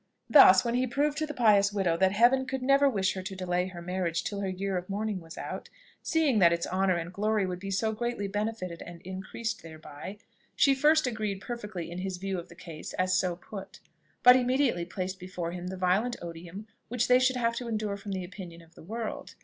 Thus, when he proved to the pious widow that Heaven could never wish her to delay her marriage till her year of mourning was out, seeing that its honour and glory would be so greatly benefited and increased thereby, she first agreed perfectly in his view of the case as so put, but immediately placed before him the violent odium which they should have to endure from the opinion of the world.